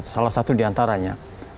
salah satu diantaranya